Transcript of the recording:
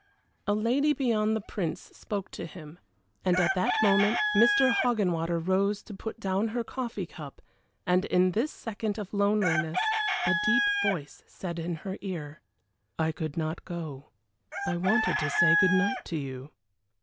A lady beyond the Prince spoke to him, and at that moment Mr. Hoggenwater rose to put down her coffee cup, and in this second of loneliness a deep voice said in her ear: "I could not go I wanted to say good night to you!"